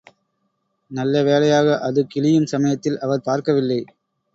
நல்ல வேளையாக, அது கிழியும் சமயத்தில் அவர் பார்க்கவில்லை.